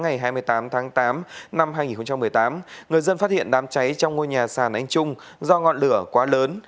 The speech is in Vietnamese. ngày hai mươi tám tháng tám năm hai nghìn một mươi tám người dân phát hiện đám cháy trong ngôi nhà sàn anh trung do ngọn lửa quá lớn